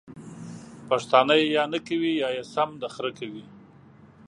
پښتانه ېې یا نکوي یا يې سم د خره کوي!